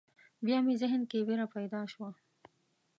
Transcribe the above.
بیا مې ذهن کې وېره پیدا شوه.